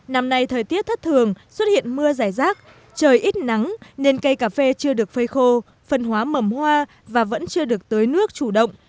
năm nay thời tiết thất thường xuất hiện mưa rải rác trời ít nắng nên cây cà phê chưa được phơi khô phân hóa mầm hoa và vẫn chưa được tới nước chủ động